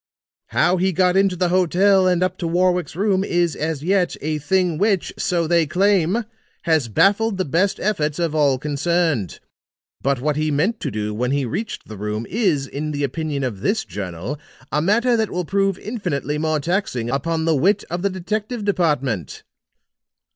"How he got into the hotel and up to Warwick's room is, as yet, a thing which, so they claim, has baffled the best efforts of all concerned. But what he meant to do when he reached the room is in the opinion of this journal a matter that will prove infinitely more taxing upon the wit of the detective department."